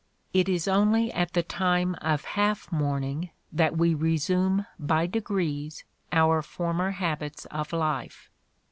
It is only at the time of half mourning that we resume by degrees our former habits of life.